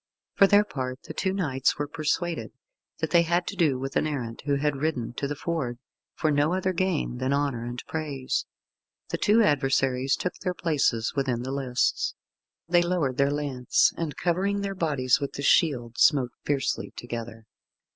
For their part the two knights were persuaded that they had to do with an errant who had ridden to the ford for no other gain than honour and praise. The two adversaries took their places within the lists. They lowered their lance, and covering their bodies with the shield, smote fiercely together.